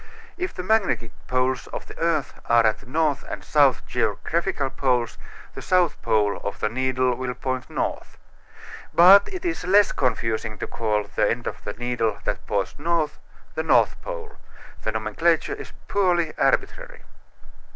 If the magnetic poles of the earth are at the north and south geographical poles, the south pole of the needle will point north. But it is less confusing to call the end of the needle that points north the north pole. The nomenclature is purely arbitrary.